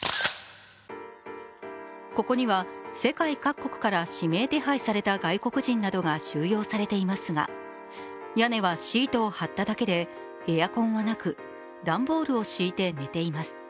ここには世界各国から指名手配された外国人などが収容されていますが、屋根はシートを張っただけでエアコンはなく、段ボールを敷いて寝ています。